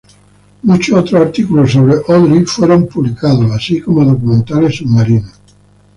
Muchos otros artículos sobre Audrey fueron publicados, así como documentales submarinos.